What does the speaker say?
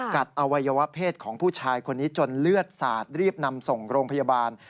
อวัยวะเพศของผู้ชายคนนี้จนเลือดสาดรีบนำส่งโรงพยาบาล